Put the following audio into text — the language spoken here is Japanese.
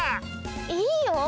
いいよ！